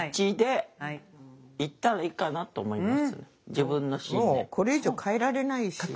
自分の信念。